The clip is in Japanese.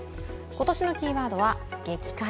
今年のキーワードは激辛。